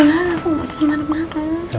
kamu jangan marah marah